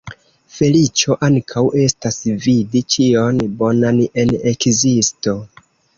Feliĉo ankaŭ estas vidi ĉion bonan en ekzisto.